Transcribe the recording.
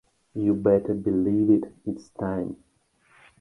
You better believe it, it's time.